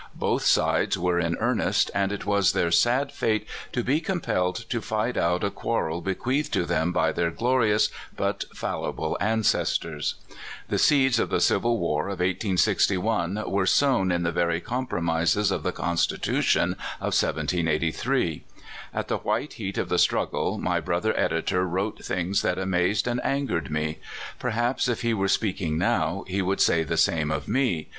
Both sides were in earnest, and it was their sad fate to be compelled to fight out a quar rel bequeathed to them by their glorious but falli Dr. Eleazar Thomas. 137 ble allC4^sto^s. The seeds of tlie civil war of 1861 were sown in the very compromises of the constitu tion of 1783. At the white heat of the struggle my brother editor wrote things that amazed and angered me. Perhaps if he were speaking now, he would say the same of me.